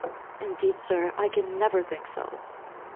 "Indeed sir, I can never think so."